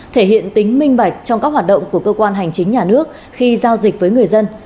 thể hiện tính minh bạch trong các hoạt động của cơ quan hành chính nhà nước khi giao dịch với người dân